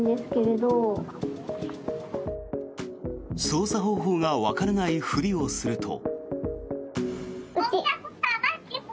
操作方法がわからないふりをすると。